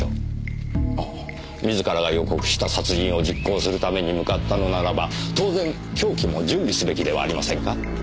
自らが予告した殺人を実行するために向かったのならば当然凶器も準備すべきではありませんか？